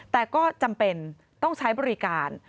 แต่ก็จำเป็นต้องใช้บริการ